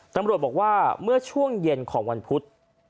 ตำรวจบอกว่าเมื่อช่วงเย็นของวันพุธ